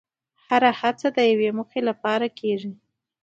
هره هڅه د یوې موخې لپاره کېږي.